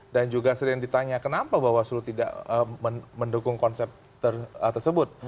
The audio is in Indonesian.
dan juga sering ditanya kenapa bawaslu tidak mendukung konsep tersebut